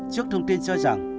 trước thông tin cho rằng